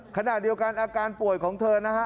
ขณะเดียวกันอาการป่วยของเธอนะฮะ